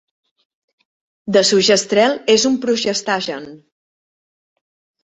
Desogestrel és un progestagen.